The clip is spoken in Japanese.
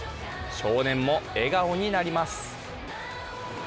少年も笑顔になります。